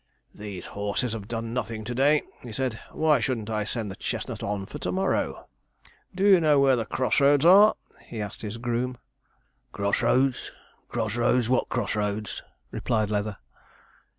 'These horses have done nothing to day,' he said; 'why shouldn't I send the chestnut on for to morrow?' 'Do you know where the cross roads are?' he asked his groom. 'Cross roads, cross roads what cross roads?' replied Leather.